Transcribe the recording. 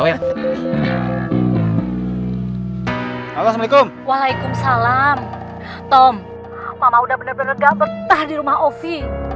waalaikumsalam tom mama udah bener bener gampang di rumah ovi